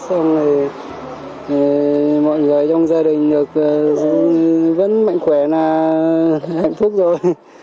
xong rồi mọi người trong gia đình được vẫn mạnh khỏe là hạnh phúc rồi